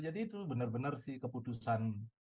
jadi itu benar benar sih keputusan